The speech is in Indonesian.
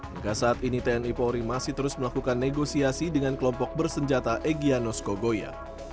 hingga saat ini tni polri masih terus melakukan negosiasi dengan kelompok bersenjata egyanus kogoya